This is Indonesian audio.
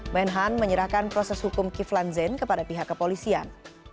menhan menyerahkan proses hukum kiflan zain kepada pihak kepolisian